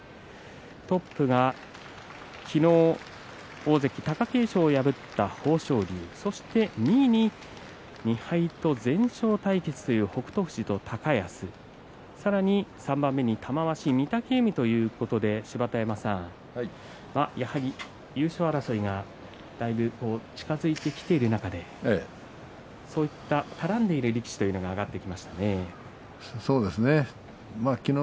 トップが昨日大関貴景勝を破った豊昇龍そして２位には２敗と全勝対決という北勝富士と高安の対戦さらに３番目に玉鷲に御嶽海ということで芝田山さん、やはり優勝争いがだいぶ近づいてきている中でそういった絡んでいる力士というのが上がってきましたね。